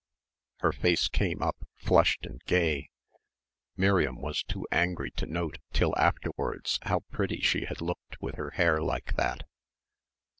Her face came up, flushed and gay. Miriam was too angry to note till afterwards how pretty she had looked with her hair like that.